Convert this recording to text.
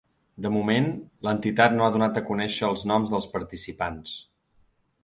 De moment, l’entitat no ha donat a conèixer els noms dels participants.